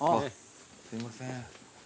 すいません。